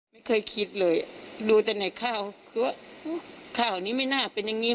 ไม่เคยคิดเลยดูแต่ในข่าวคือว่าข่าวนี้ไม่น่าเป็นอย่างนี้